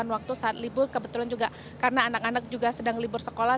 waktu saat libur kebetulan juga karena anak anak juga sedang libur sekolah